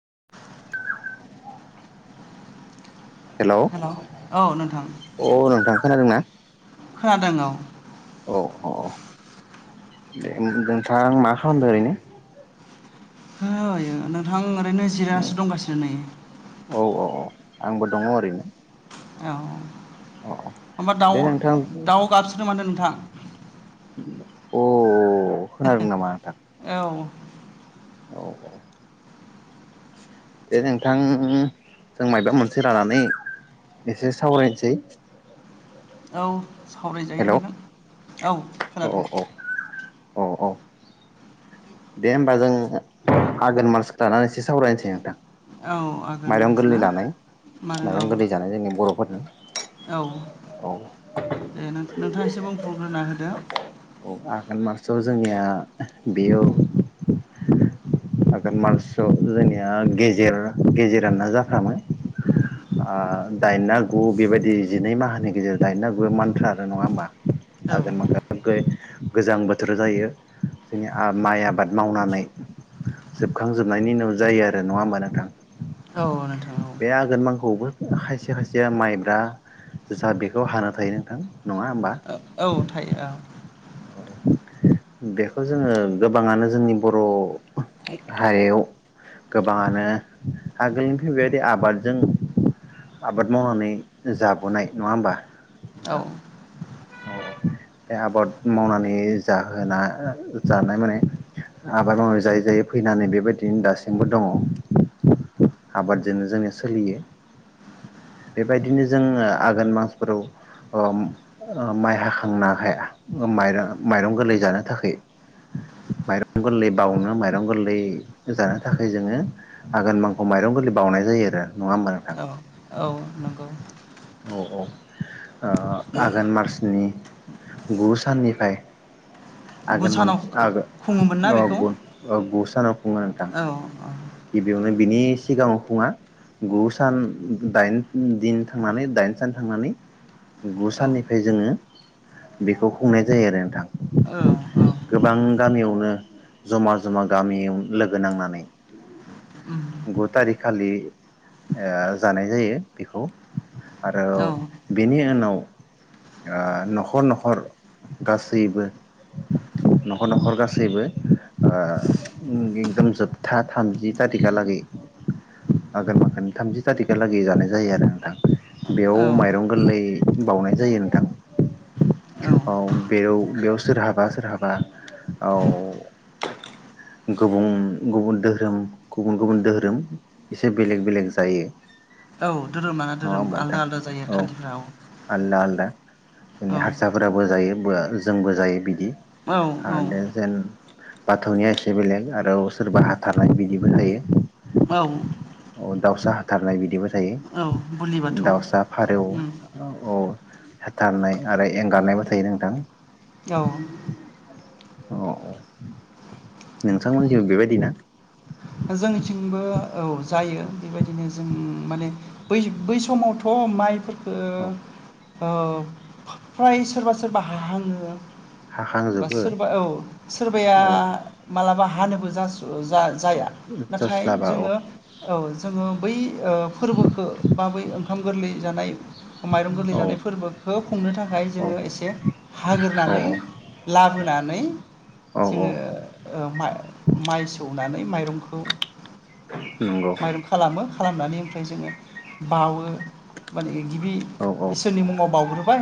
[inaudible] Hello hello नोंथां औ नोंथां खोनादोंना? खोनादों औ औ औ दे नोंथां मा खालामदों ओरैनो? होयो नोंथां ओरैनो जिरायनासो दंगासिनो नै औ औ औ आंबो दङ ओरैनो औ औ औ ओमफा दाव दे नोंथां दाउ गाबसोदों माथो नों थां अ औ खोनादों नामा नोंथां? औ औ औ दे नोंथां जों मायबा मोनसे लानानै एसे सावरायनोसै। औ सावरायजायो हेलौ नोंथां औ औ खोनादों। औ औ औ दे होमबा जों आघोन मानास लानानै एसे सावरायनोसै नोंथां। औ आघोन माइरं मास ना गोरलै जानाय मानो माइरं औ गोरलै जानाय जोंनि बर'फोरनि औ। नोंथां एसे बुं। [unintelligible] आगोन मासआव जोंनिया बेयाव। आघोन मार्चआव जोंनिया गेजेर गेजेरानो जाफ्रामोन ओ दाइना गु बेबायदि जिनै माहानि गेजेराव दाइना गुआ मानथ्रा आरो नङा होमबा। औ आघोन [unintelligible] गोजां बोथोर जायो जोंनि आ माइ आबाद मावनानै। जोबखांजोबनायनि उनाव जायो आरो नङा होमबा नोंथां नोंथां बे औ आघोन मांखौआवबो खायसे खायसेया माइब्रा जुसा बेखौ हानो थायो नोंथां नङा होमबा। औ थायो ओ बेखौ जोङो गोबाङानो जोंनि बर' हारियाव गोबाङानो आगोलनिफ्राय बेबायदि आबादजों आबाद मावनानै जाबोनाय नङा होमबा? नोंथां औ। [unintelligible] बे आबाद मावनानै। बे जाहोना जानाय माने आबाद मावनाय जायै जायै फैनानै बेबायदिनो दासिमबो दङ, आबादजोंनो जोंनि सोलियो बेबायदिनो जो आघोन मासफोराव अ माइ हाखांनो हाया माइ माइरं गोरलै जानो थाखाय माइरं गोरलै बावनो माइरं गोरलै जानो थाखाय जोङो आघोन मांखौ माइरं गोरलै बावनाय जायो आरो। नङा होमबा नोंथां। औ औ नंगौ औ औ ओ आघोन मार्चनि गु साननिफ्राय। गुसानाव खुङोमोन ना बेखौ आगोन [unintelligible] [unintelligible] औ ओ गिबियावनो बिनि सिगाङाव खुङा गु सान दाइन दिन थांनानै दाइन सान थांनानै गु औ साननिफ्राय जोङो बेखौ खुंनाय जायो आरो नोंथां औ गोबां गामियावनो जमा जमा गामियाव लोगो नांनानै। गु थारिख खालि ओ जानाय जायो बेखौ। आरो औ बेनि उनाव। ओ नखर नखर गासैबो नखर नखर गासैबो ओ एकदम जोब था थामजि थारिखालागै आगोन माखोन थामजि थारिख हालागै जानाय जायो आरो नोंथां बेयाव औ माइरं गोरलै बाउनाय जायो नोंथां औ बेयाव बेयाव सोरहाबा सोरहाबा औ गुबुं। गुबुन दोरोम गुबुन गुबुन दोहोरोम एसे बेलेग बेलेग जायो। औ धोरोम लाना नङा धोरोम होमबा नोंथां आलदा आलदा जायो औ खान्थिफ्राव। आलदा आलदा जोंनि हारसाफोराबो जायो। [unintelligible] जोंबो जायो बिदि। औ औ। आरो जेन बाथौनिया एसे बेलेग आरो। सोरबा हाथारनाय बिदिबो थायो। औ। अ दाउसा हाथारनाय बिदिबो थायो। औ बुलि बाथौ दावसा फारेव। उम औ औ हाथारनाय आरो एंगारनायबो थायो नोंथां। औ। अ। नोंथांमोननि जोंबो बेबायदि ना? जोंनिथिंबो औ जायो बेबायदिनो जों माने बै बै समावथ' माइफोर ओ। औ ओ फ्राय सोरबा सोरबा हा हाङो बा हाखांजोबो सोरबा औ सोरबाया औ मालाबा हानोबो जास जा जाया नाथाय जास्लाबा औ जोङो औ जों। ओ बै ओ फोरबोखौ बा बै ओंखाम गोरलै जानाय माइरं गोरलै औ जानाय फोरबोखौ खुंनो थाखाय औ जोङो एसे हाग्रोनानै औ लाबोनानै औ औ जोङो माइ सौनानै माइ [inaudible] औ। नंगौ। खालामनानै ओमफ्राय जोङो बावो माने गिबि औ औ इसोरनि मुङाव बावग्रोबाय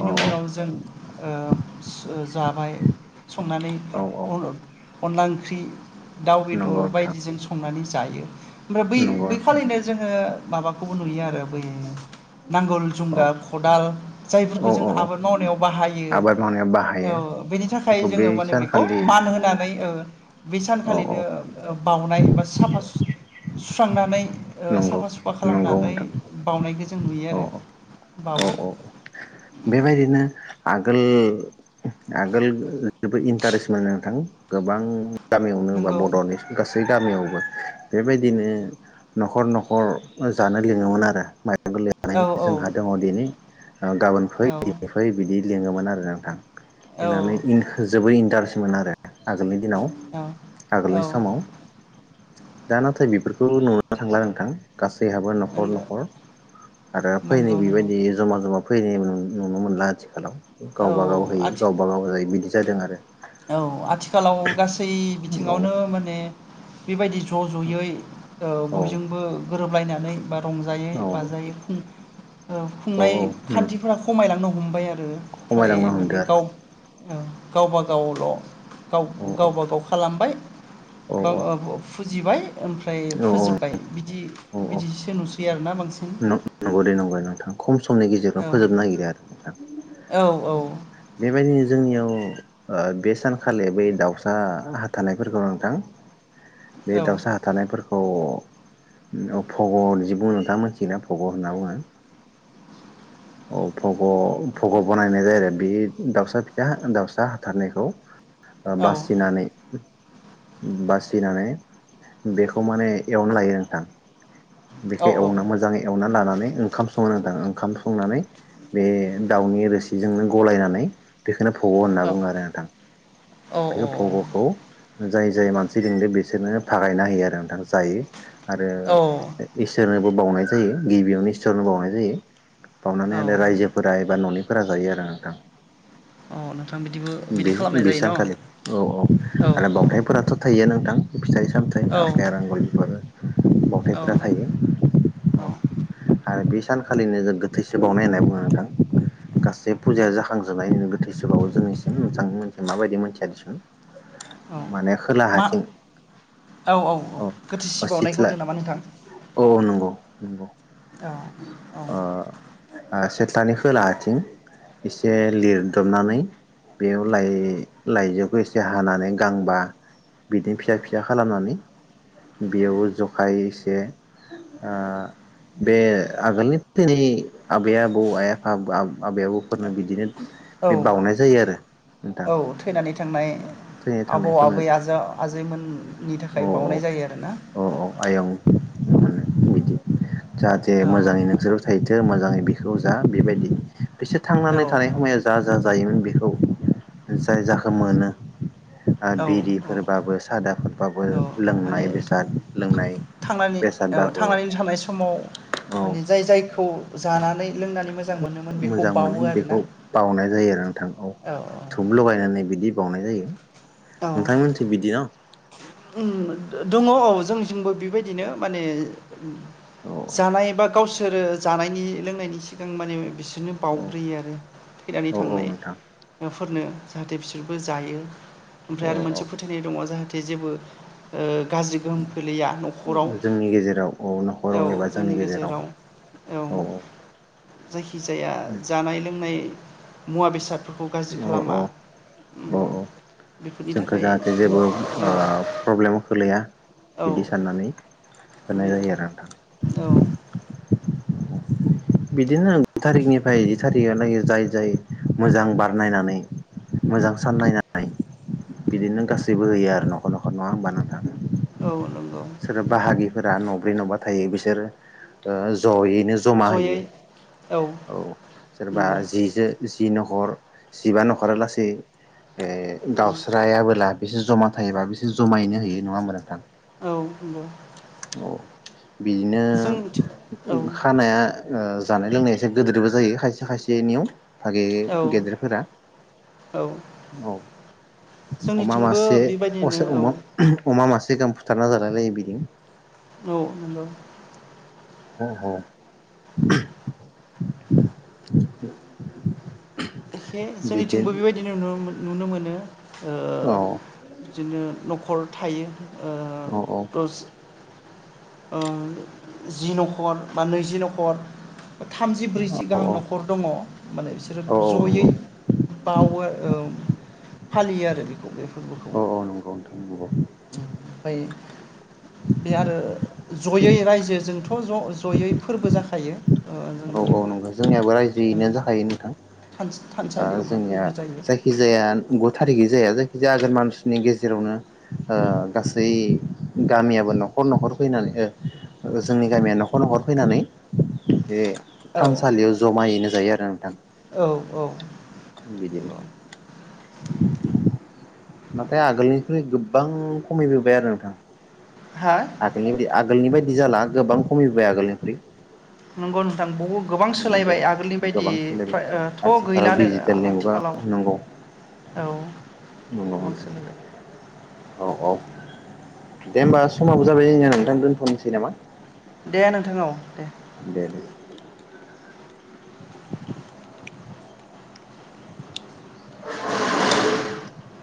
औ औ उनाव जों ओ जाबाय संनानै औ औ अनदला ओंख्रि दाउ द नंगौ नोंथां बायदिजों संनानै जायो ओमफ्राय बै नंगौ नोंथां बैखालिनो जोङो माबाखौबो नुयो आरो बै नांगोल औ जुंगा खदाल जायफोरखौ औ जों औ औ आबाद मावनायाव बाहायो आबाद मावनायाव बाहायो औ बेनि थाखाय बेखौ बे जोङो माने बेखौ सानखालि मान होनानै बै औ औ सानखालिनो बाउनाय एबा साफा सुस्रांनानै आ नंगौ साफा सुफा नंगौ खालामनानै नोंथां बावनायखौ जों नुयो औ आरो बावो औ औ बेबायदिनो आगोल आगोल जोबोद इन्टारेस्ट मोननो नोंथां गोबां गामियावनो बा नंगौ बड'नि गासै गामियाव बेबायदिनो न'खर न'खर जानो लिङोमोन आरो माइ गोरलै जानाय औ जोंहा दङ दिनै गाबोन फै औ फै बिदि लिङोमोन आरो नोंथां। औ लिंनानै आं जोबोर इन्टार मोन आरो आगोलनि दिनाव औ औ आगोलनि समाव दा नाथाय बेफोरखौ नु नो थांला नोंथां गासैहाबो न'खर नोंगो न'खर आरो फैनि नंगौ नंगौ बिबायदि जमा जमा फैनाय नुन-नुनो मोनला आथिखालाव औ गावबा गाव होयो आथि गावबा गाव जाय बिदि जादों आरो औ आथि खालाव गासै औ बिथिङावनो माने बेबायदि ज' ज'यै ओ औ बयजोंबो गोरोबलायनानै बा रंजायै औ बाजायै खुं ओ औ खुंनाय खान्थिफोरा खमायलांनो हम हमबाइ आ रो फ्राय खमायलांनो हमदो माने गाव आरो औ गावबा गावल' औ गाव-गावबा गाव खालामबाय औ बा-अ-अ-फुद जिबाय ओमफ्राय औ फोजोब्बाय बिदि बिदिसो नुस सै आरो नं-नंगौ दे नंगौ दे नोंथां खम समनि गेजेरजों औ फोजोबनो नागिरो आरो नोंथां औ औ बेबायदिनो जोंनियाव ओ बे सानखालि बे दाउसा हाथार नायफोरखौ नोंथां बे औ दाउसा हाथारनायफोरखौ अफबर जिब' नोंथां मोनथि थियोना फग' होनना बुङो। औ फग' पग' बनायनाय जायो आरो बे दाउसा फिसा-फिसा दावसा हाथारनायखौ औ बासिनानै बासिनानै बेखौ माने एवना लायो नोंथां। औ बेखौ एवना मोजाङै एवनानै लानानै ओंखाम सङो नोंथां ओं खाम संनानै बे दाउनि रोसिजोंनो गलायनानै बे खोनो भग' होनना बुङो आरो नोंथां। बेखौ भग'खौ जाय जाय मानसि लिंदो बिसोरनो फागायना होयो आरो नोंथां जायो। आरो औ इसोरनो बो बावनाय जायो गिबियावनो इसरनो बावनाय जायो। बावनानै औ आरो रायजोफोरा एबा न'नि फोरा जायो आरो नोंथां। औ नोंथां बिदिबो बिदि बे खालामनाय बे जायो न सानखालि औ औ औ आरो औ बावथायफोराथ' थायो नोंथां। फिथाइ सामथाइ औ आफेर आंगुरफोर औ फावथायफोरा थायो। औ आरो बे सानखालिनो जोबगोन थैसो बावनाय होनो बुङो नोंथां। गासै फुजाया जाखांजोबनायनि उनाव गोथैसोबावो जोंनिसिम नोंथांनि मोनसे माबायदि मोनथिया दिसुन औ माने खोला मा हाथिं। औ औ औ औ गोथैसि बावनायखौ सिथ्ला होनदों नामा नोंथां औ नंगौ नंगौ। आ औ। थ्लानि खोला आथिं एसे लिरदबनानै बेयाव लाइ लाइजौखौ एसे हानानै गांबा बिदिनो फिसा फिसा खालामनानै बेयाव जखाय एसे आ बे आगोलनि थैनाइ आबै आबौ, आइ आफा बा आबै आबौफोरनो बिदिनो औ बे बाउनाय जायो आरो नोंथां औ थैनानै थांनाय थैनो आबौ, थांनायफोरनो आबै आजा आजैमोन नि औ थाखाय बावनाय जायो आरोना? औ औ आयं बिदि जाहाथे औ मोजाङैनो सुख थाहैथों सोर मोजाङै बेखौ जा बेबायदि बिसोर औ थांनानै थानाय समायाव जा जा जायोमोन बेखौ जाय जाखो मोनो आ औ औ बिरिफोरबाबो सादाफोर औ माने थांनानै औ बेसादबाबो थांनानै थानाय समाव औ माने जाय जायखौ जानानै लोंनानै मोजां मोनोमोन बेखौ मोजां मोनो बावो आरोना बेखौ बावनाय जायो आरो नोंथां औ। धुप लगायनानै बिदि बावनाय जायो। नोंथां मोनथिं बिदि न'? ओम दङ औ जोंनिजोंबो बेबायदिनो माने औ जानाय बा गावसोरो जानायनि लोंनायनि सिगां माने बिसोर बिदिनो औ बाउग्रोयो आरो थैनानै औ औ नोंथां थांनायफोरनो जाहाथे बिसोरबो जायो। ओमफ्राय औ आरो औ मोनसे फोथायनाय दङ जाहाथे जेबो ओं गाज्रि गोहोम ख्लैया न'खराव जोंनि गेजेराव औ औ न'खराव एबा जोंनि गेजेराव औ। जायखिजाया जानाय लोंनाय मुवा बेसाद। फोरखौ गाज्रि औ खालामा औ औ ओम। औ बेफोरनि जोंखौ थाखाय। जाहाथे जेबो ओ -प्रब्लेमाव खोलैया। औ बिदि साननानै होनाय बे जायो आरो औ नोंथां। बिदिनो ओं थारिखनिफ्राय थारिखालागै जाय जाय मोजां बार नायनानै मोजां सान नायनानै। बिदिनो गासैबो होयो आरो न'खर न'खर नङा होमबा नों। औ नंगौ सोर बाहागिफोरा न' जेनबा थायो बिसोरो ओ-ज'यै। ज'मा जयै होयो औ सोरबा नंगौ जि जो जि न'खर जिबा न'खरा लासै ए दाउसा बोला बिसोर जमा थायोबा बिसोर जमायैनो होयो नङा होमबा नोंथां? औ नंगौ। औ बिदिनो जोंनिथिं औ खानाया। ओ-जानाय लोंनाया एसे गोदोरबो जायो खायसे खायसेनियाव। फागि औ गेदेरफोरा औ औ। अमा जोंनिथिंबो मासे बेबायदिनो असे औ उमख [unintelligible] अमा मासे गाहाम फुथारना जालायलायो बिदि। औ नंगौ। हो हो [inaudible] एखे जोंनिथिंबो बेबायदिनो नुनो नुनो मोनो। औ ओ- बिदिनो नखर। नखर थायो। ओ औ दस ओ-जि न'खर बा नैजि न'खर। थामजि ब्रैजि औ औ गाहाम न'खर दङ माने बिसोरो औ जयै नंगौ बावो फालियो आरो [unintelligible] फोरबोखौ औ औ नंगौ नोंथां नंगौ ओमफ्राय बे आरो जयै रायजो जोंथ' ज' ज' ज'यै फोरबो जाखायो ओ औ जोंनि औ नंगौ जोंनियाबो ओ रायजोयैनो जाखायो नोंथां थानसालियावहा जोंनिया फोरबो जायो जायखिजाया गु थारिखै जाया जायखि जागोन मानसिनि गेजेरावनो गासै गामियाबो न'खर न'खर फैनानै जोंनि गामिया न'खर न'खर फैनानै बे थानसालियाव जमायैनो जायो आरो नोंथां औ औ औ बिदिनो नाथाय आगोलनिख्रुइ गोबां खमायबोबाय आरो नोंथां हा आगोलनि बादि आगोलनि बाय नि जाला गोबां खमायबाय आगोलनिफ्राय नंगौ नोंथां बहुद गोबां सोलायबाय आगोलनि बायदि गोबां सोलायबाय फथ' आथिखालाव गैलानो आ डिजिटेलनि मुगा आथिखालाव नंगौ नंगौ नोंथां औ औ औ [unintelligible] दे होमबा समाबो जाबाय जोंया नोंथां दोनथ'नोसै नामा? दे नोंथां औव दे दे दे [inaudible]